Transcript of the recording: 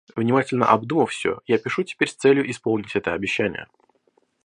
Внимательно обдумав всё, я пишу теперь с целью исполнить это обещание.